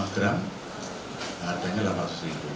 lima gram harganya rp delapan ratus